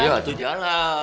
iya atuh jalan